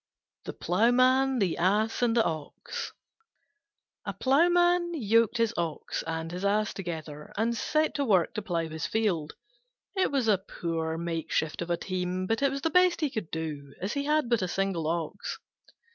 THE PLOUGHMAN, THE ASS, AND THE OX A Ploughman yoked his Ox and his Ass together, and set to work to plough his field. It was a poor makeshift of a team, but it was the best he could do, as he had but a single Ox.